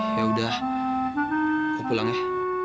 ya udah aku pulang ya